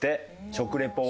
食リポを。